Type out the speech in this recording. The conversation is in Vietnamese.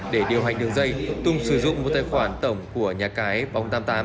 để điều hành đường dây tùng sử dụng một tài khoản tổng của nhà cái bóng tám mươi tám